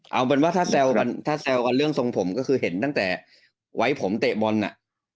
เอาเป็นว่าถ้าแซวเรื่องทรงผมก็คือเห็นตั้งแต่ไว้ผมเตะบอลน่ะ